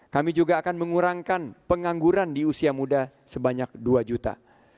kami juga akan mengurangkan pengangguran di usia muda sebanyak dua juta